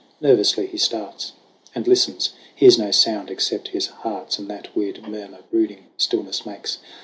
Nervously he starts And listens; hears no sound except his heart's And that weird murmur brooding stillness makes.